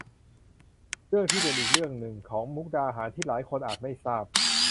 เรื่องที่เด่นอีกเรื่องหนึ่งของมุกดาหารที่หลายคนอาจไม่ทราบ